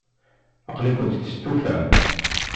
Aql-iken testufam?